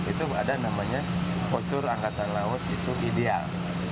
itu ada namanya postur angkatan laut itu ideal